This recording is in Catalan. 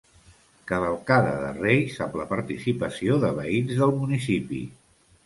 Cavalcada de reis, amb la participació de veïns del municipi.